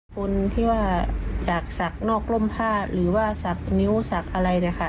คนที่ว่าอยากศักดิ์นอกร่มผ้าหรือว่าสักนิ้วสักอะไรนะคะ